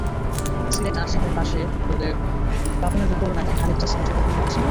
সিলেট আসামের পাশে বলে পাপনের ওপর নাকি খানিকটা সিলেটি প্রভাবও আছে।